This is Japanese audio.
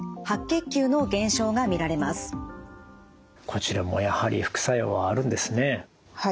こちらもやはり副作用はあるんですね。